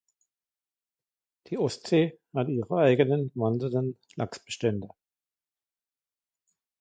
Die Ostsee hat ihre eigenen wandernden Lachsbestände.